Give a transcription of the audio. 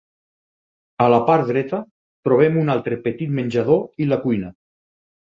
A la part dreta, trobem un altre petit menjador i la cuina.